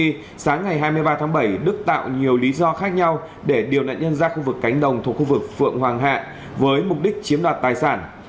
trước đó sáng ngày hai mươi ba tháng bảy đức tạo nhiều lý do khác nhau để điều nạn nhân ra khu vực cánh đồng thuộc khu vực phượng hoàng hạ với mục đích chiếm đoạt tài sản